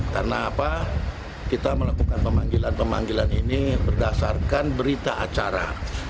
karena kita melakukan pemanggilan pemanggilan ini berdasarkan berita acara